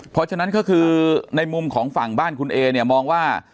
เพราะฉะนั้นก็คือในมุมของฝั่งบ้านคุณเอเนี่ยมองว่า